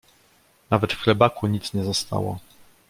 Nawet w chlebaku nic nie zostało.